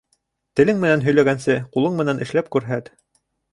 Телең менән һөйләгәнсе, ҡулың менән эшләп күрһәт.